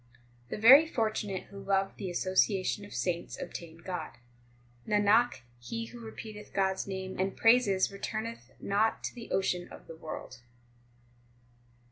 9 The very fortunate who love the association of saints obtain God. Nanak, he who repeateth God s name and praises returneth not to the ocean of the world.